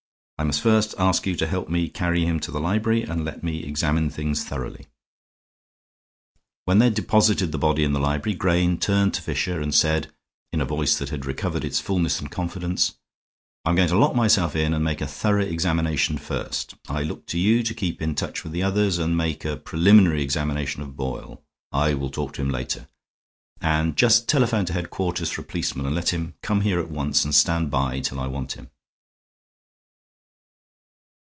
"I must first ask you to help me carry him to the library and let me examine things thoroughly." When they had deposited the body in the library, Grayne turned to Fisher and said, in a voice that had recovered its fullness and confidence, "I am going to lock myself in and make a thorough examination first. I look to you to keep in touch with the others and make a preliminary examination of Boyle. I will talk to him later. And just telephone to headquarters for a policeman, and let him come here at once and stand by till I want him."